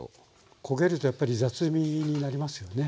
焦げるとやっぱり雑味になりますよね。